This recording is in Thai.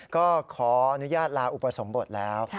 ก็ขออนุญาตลาอุปสมบทแล้ว